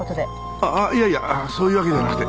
あっいやいやそういうわけじゃなくて。